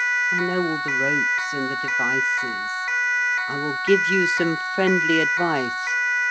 I know all the ropes and the devices. I will give you some friendly advice.